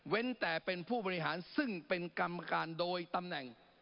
แต่เป็นผู้บริหารซึ่งเป็นกรรมการโดยตำแหน่ง